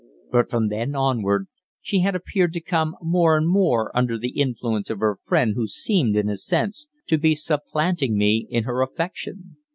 But from then onward she had appeared to come more and more under the influence of her friend, who seemed, in a sense, to be supplanting me in her affection.